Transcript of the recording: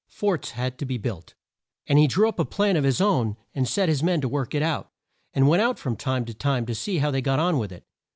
Forts had to be built, and he drew up a plan of his own and set men to work it out, and went out from time to time to see how they got on with it.